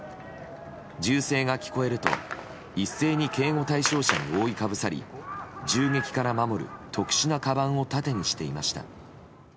銃声が聞こえると一斉に警護対象者に覆いかぶさり銃撃から守る特殊なかばんを盾にしていました。